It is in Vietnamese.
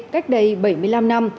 cách đây bảy mươi năm năm